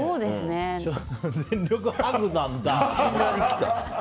全力ハグなんだ。